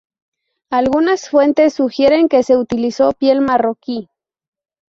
Algunas fuentes sugieren que se utilizó piel marroquí.